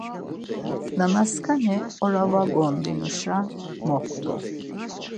Nanaskani ora va gondinuşa moxtu.